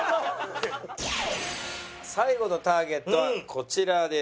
最後のターゲットはこちらです。